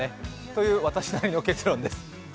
という私なりの結論です。